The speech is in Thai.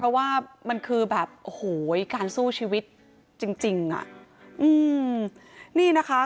เพราะว่ามันคือแบบโอ้โหการสู้ชีวิตจริงจริงอ่ะอืมนี่นะคะ